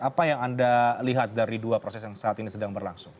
apa yang anda lihat dari dua proses yang saat ini sedang berlangsung